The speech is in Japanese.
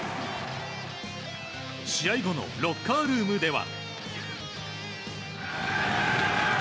試合後のロッカールームでは。